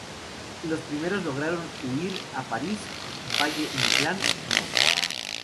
Los primeros lograron huir a París, Valle-Inclán, no.